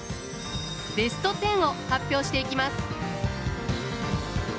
ベストテンを発表していきます。